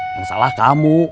yang salah kamu